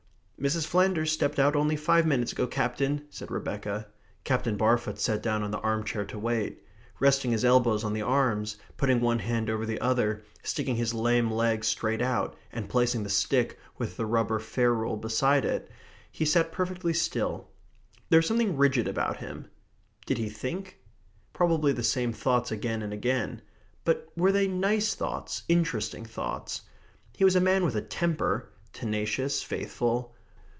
"Mrs. Flanders stepped out only five minutes ago, Captain," said Rebecca. Captain Barfoot sat him down in the arm chair to wait. Resting his elbows on the arms, putting one hand over the other, sticking his lame leg straight out, and placing the stick with the rubber ferrule beside it, he sat perfectly still. There was something rigid about him. Did he think? Probably the same thoughts again and again. But were they "nice" thoughts, interesting thoughts? He was a man with a temper; tenacious, faithful.